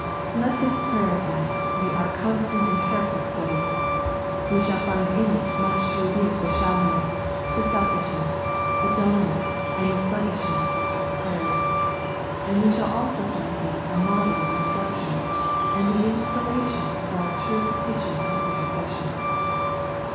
Let this prayer, then, be our constant and 87 The Prayers of St. Paul careful study. We shall find in it much to rebuke the shallowness, the selfishness, the dulness, and the sluggishness of our prayers ; and we shall also find in it a model of in struction, and the inspiration of all true petition and intercession.